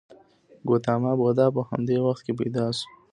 ګوتاما بودا په همدې وخت کې پیدا شو.